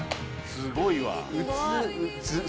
すごいわ！